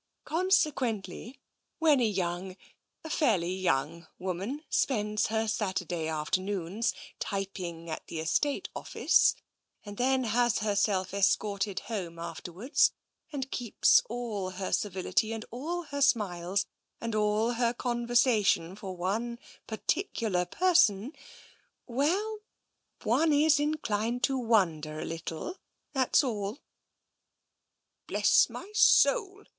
Conse quently, when a young — a fairly young — woman spends her Saturday afternoons typing at the estate of I90 TENSION fice, and then has herself escorted home afterwards, and keeps all her civility, and all her smiles, and all her conversation, for one particular person — well, one is inclined to wonder a little, that's all." " Bless my soul